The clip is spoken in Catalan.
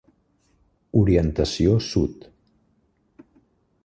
Orientació Sud.